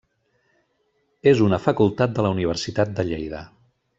És una facultat de la Universitat de Lleida.